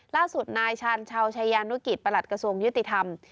ล่าสุดนายชาญชาวชายานุกิจประหลัดกระทรวงยุติธรรม